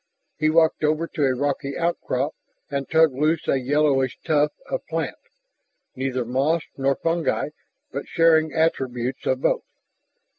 He walked over to a rocky outcrop and tugged loose a yellowish tuft of plant, neither moss nor fungi but sharing attributes of both.